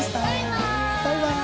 バイバイ！